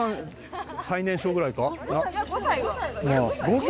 「５歳！？